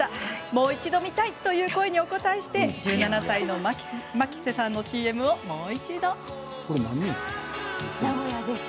もう一度、見たいという声にお応えして１７歳の牧瀬さんのＣＭをもう一度。